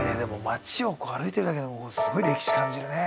街を歩いてるだけでもすごい歴史感じるね。